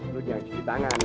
lu jangan cuci tangan